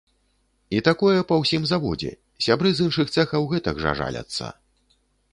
І такое па ўсім заводзе, сябры з іншых цэхаў гэтак жа жаляцца.